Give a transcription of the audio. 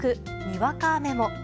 にわか雨も。